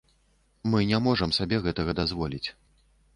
Мы не можам сабе гэтага дазволіць.